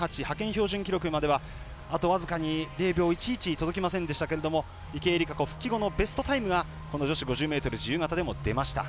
標準記録まではあと僅かに０秒１１届きませんでしたけれども池江璃花子復帰後のベストタイムがこの女子５０ｍ自由形でも出ました。